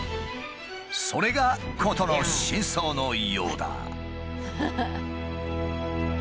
それが事の真相のようだ。